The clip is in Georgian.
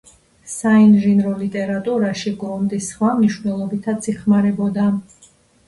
საინჟინრო ლიტერატურაში გრუნტი სხვა მნიშვნელობითაც იხმარებოდა.